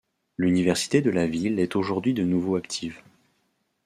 L'université de la ville est aujourd'hui de nouveau active.